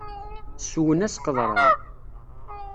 Swen-as qeḍṛan.